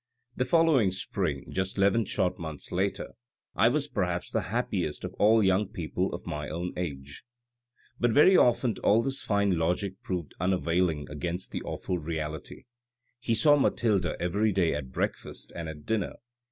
The following spring, just eleven short months later, I was perhaps the happiest of all young people of my own age." But very often all this fine logic proved unavailing against the awful reality. He saw Mathilde every day at breakfast and at dinner.